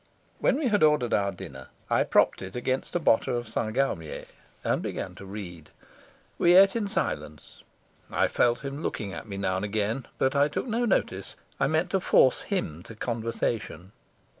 When we had ordered our dinner, I propped it against a bottle of St. Galmier and began to read. We ate in silence. I felt him looking at me now and again, but I took no notice. I meant to force him to conversation.